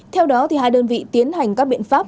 theo đó hai đơn vị tiến hành các biện pháp